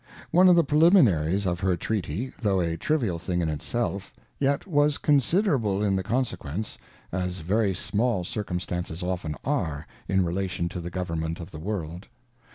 One of the Preliminaries of her Treaty, tho a trivial thing in it self, yet was considerable in the Consequence, as very small circumstances often are in relation to the Government i of the World.